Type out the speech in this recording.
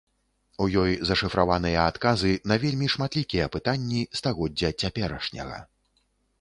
У ёй зашыфраваныя адказы на вельмі шматлікія пытанні стагоддзя цяперашняга.